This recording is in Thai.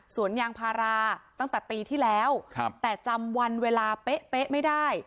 สวนยางพาราตั้งแต่ปีที่แล้วแต่จำวันเวลาเป๊ะเป๊ะไม่ได้